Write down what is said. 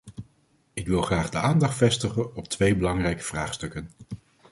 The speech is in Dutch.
Ik wil graag de aandacht vestigen op twee belangrijke vraagstukken.